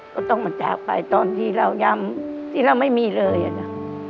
ก็ต้องมาจากไปตอนที่เราย้ำที่เราไม่มีเลยอ่ะนะ